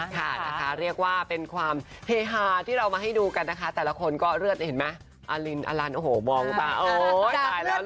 ค่ะนะคะเรียกว่าเป็นความเฮฮาที่เรามาให้ดูกันนะคะแต่ละคนก็เลือดเนี่ยเห็นไหมอลินอลันโอ้โหมองตาโอ๊ยตายแล้ว